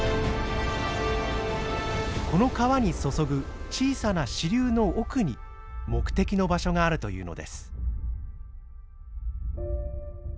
この川に注ぐ小さな支流の奥に目的の場所があるというのです。